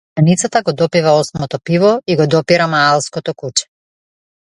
Пијаницата го допива осмото пиво и го допира маалското куче.